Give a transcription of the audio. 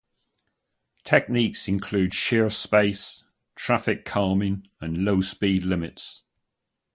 Techniques include shared space, traffic calming, and low speed limits.